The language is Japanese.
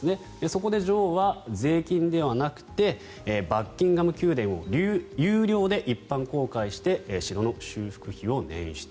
そこで女王は税金ではなくてバッキンガム宮殿を有料で一般公開して城の修復費を捻出。